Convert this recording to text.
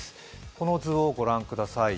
この図をご覧ください。